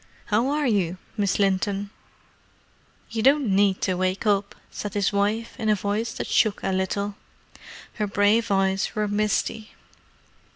How are you, Miss Linton?" "You don't need to wake up," said his wife, in a voice that shook a little. Her brave eyes were misty.